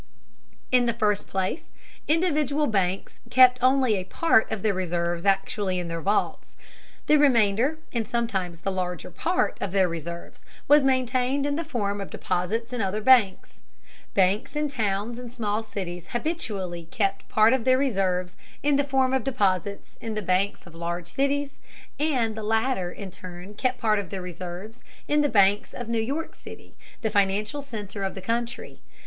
In the first place, individual banks kept only a part of their reserves actually in their vaults. The remainder, and sometimes the larger part, of their reserves was maintained in the form of deposits in other banks. Banks in towns and small cities habitually kept part of their reserves in the form of deposits in the banks of large cities, and the latter in turn kept part of their reserves in the banks of New York City, the financial center of the country.